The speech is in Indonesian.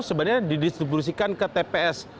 sebenarnya didistribusikan ke tps